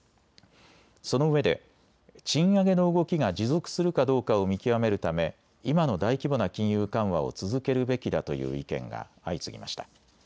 そのうえで、賃上げの動きが持続するかどうかを見極めるため今の大規模な金融緩和を続けるべきだという意見が相次ぎました。